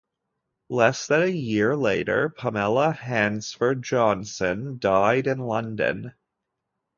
Less than a year later, Pamela Hansford Johnson died in London.